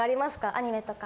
アニメとか。